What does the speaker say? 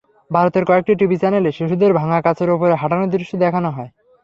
ভারতের কয়েকটি টিভি চ্যানেলে শিশুদের ভাঙা কাচের ওপরে হাঁটানোর দৃশ্য দেখানো হয়।